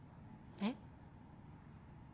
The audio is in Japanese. えっ！？